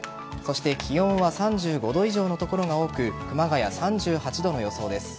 気温は３５度以上の所が多く熊谷、３８度の予想です。